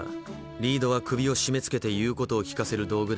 リードは首を締めつけて言うことを聞かせる道具ではない。